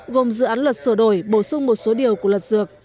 gồm dự án luật sửa đổi bổ sung một số điều của luật dược